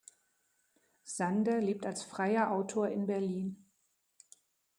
Sander lebt als freier Autor in Berlin.